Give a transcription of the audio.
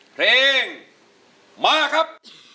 เพลงมาครับ